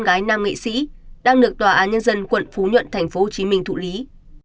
gái nam nghệ sĩ đang được tòa án nhân dân quận phú nhuận tp hcm thụ lý